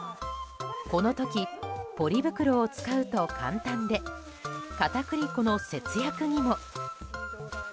この時、ポリ袋を使うと簡単で片栗粉の節約にも。